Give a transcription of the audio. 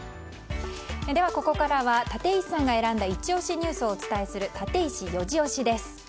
ここからは立石さんが選んだイチ押しニュースをお伝えするタテイシ４時推しです。